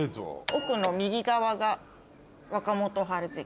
奥の右側が若元春関。